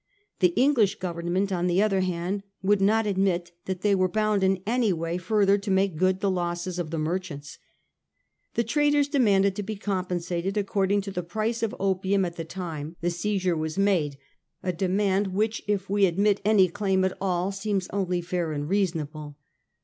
The English Government, on the other hand, would not admit that they were bound in any way further to make good the losses of the merchants. The traders demanded to be compensated according to the price of opium at the time the seizure 182 A HISTORY OF OUR OWN TIMES. CH. TUX. was made ; a demand which, if we admit any claim at all, seems only fair and reasonable.